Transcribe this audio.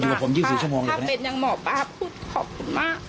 อยู่กับผม๒๔ชั่วโมงเดี๋ยวแบบนี้ขอบคุณมากป๊าถ้าเป็นยังเหมาะป๊าขอบคุณมาก